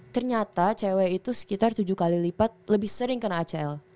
ternyata cewek itu sekitar tujuh kali lipat lebih sering kena acl